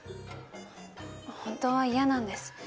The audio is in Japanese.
本当はイヤなんです。